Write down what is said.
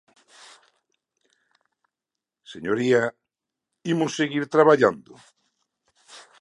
Señoría, ¿imos seguir traballando?